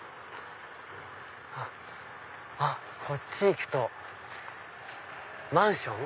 あっこっち行くとマンション？